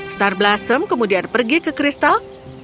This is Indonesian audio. star blossom kemudian pergi ke kristal